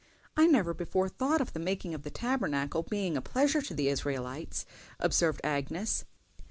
"I never before thought of the making of the Tabernacle being a pleasure to the Israelites," observed Agnes.